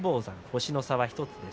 星の差は１つです。